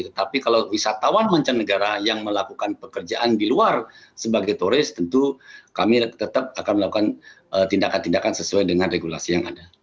tetapi kalau wisatawan mancanegara yang melakukan pekerjaan di luar sebagai turis tentu kami tetap akan melakukan tindakan tindakan sesuai dengan regulasi yang ada